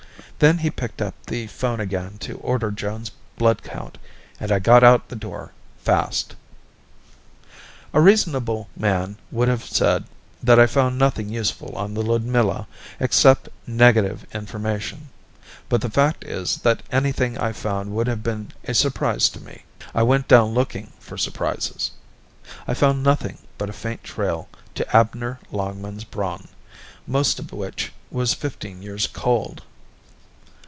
Then he picked up the phone again to order Joan's blood count, and I got out the door, fast. A reasonable man would have said that I found nothing useful on the Ludmilla, except negative information. But the fact is that anything I found would have been a surprise to me; I went down looking for surprises. I found nothing but a faint trail to Abner Longmans Braun, most of which was fifteen years cold.